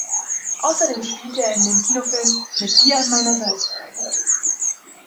Außerdem spielte er in dem Kinofilm "Mit Dir an meiner Seite" mit.